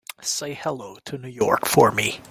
Say hello to New York for me.